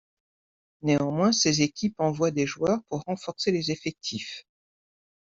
Néanmoins, ces équipes envoient des joueurs pour renforcer les effectifs.